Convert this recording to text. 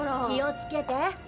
気をつけて。